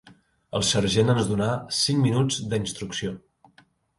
El sergent ens donà cinc minuts de «instrucció»